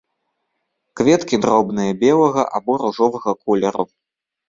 Кветкі дробныя, белага або ружовага колеру.